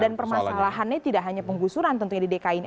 dan permasalahannya tidak hanya penggusuran tentunya di dki ini